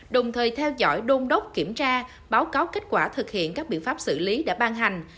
đồng thời theo dõi đôn đốc kiểm tra báo cáo kết quả thực hiện các biện pháp xử lý đã ban hành